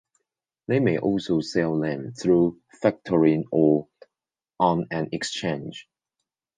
They may also sell them through factoring or on an exchange.